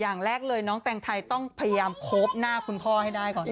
อย่างแรกเลยน้องแต่งไทยต้องพยายามโคบหน้าคุณพ่อให้ได้ก่อน